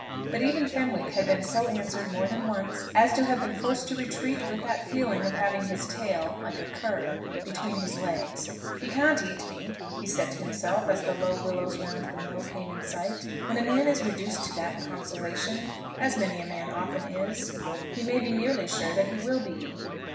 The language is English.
But even Fenwick had been so answered more than once as to have been forced to retreat with that feeling of having his tail, like a cur, between his legs. "He can't eat me," he said to himself, as the low willows round the mill came in sight. When a man is reduced to that consolation, as many a man often is, he may be nearly sure that he will be eaten.